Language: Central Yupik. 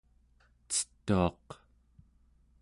cetuaq